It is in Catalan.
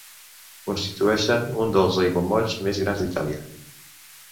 Constitueixen un dels aiguamolls més grans d'Itàlia.